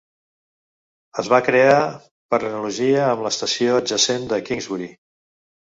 Es va crear per analogia amb l'estació adjacent de Kingsbury.